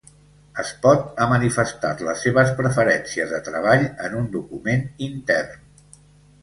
Espot ha manifestat les seves preferències de treball en un document intern